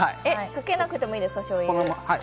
かけなくてもいいですかしょうゆ。